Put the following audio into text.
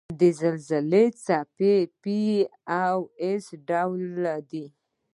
د زلزلې څپې P او S ډوله دي.